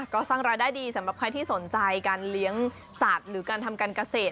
ก็สร้างรายได้ดีสำหรับใครที่สนใจการเลี้ยงสัตว์หรือการทำการเกษตร